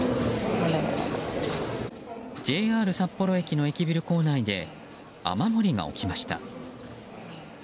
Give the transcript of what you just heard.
ＪＲ札幌駅の駅ビル構内で雨漏りが起きました。